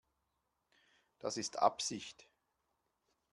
Das ist Absicht.